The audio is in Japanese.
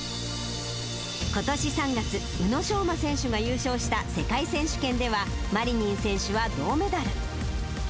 ことし３月、宇野昌磨選手が優勝した世界選手権では、マリニン選手は銅メダル。